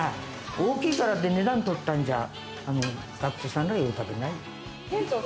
大きいからって値段とったんじゃ学生さんは喜ばない。